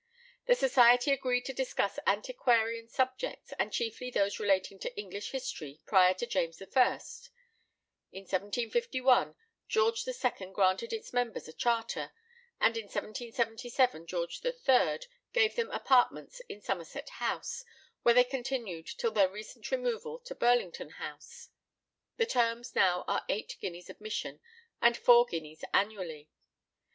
The society agreed to discuss antiquarian subjects, and chiefly those relating to English history prior to James I. In 1751 George II. granted its members a charter, and in 1777 George III. gave them apartments in Somerset House, where they continued till their recent removal to Burlington House. The terms now are eight guineas admission, and four guineas annually.